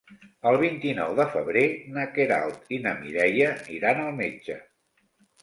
El vint-i-nou de febrer na Queralt i na Mireia iran al metge.